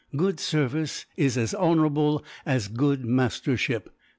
Good service is as honourable as good mastership.